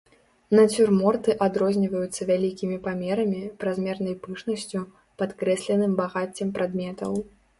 Нацюрморты адрозніваюцца вялікімі памерамі, празмернай пышнасцю, падкрэсленым багаццем прадметаў.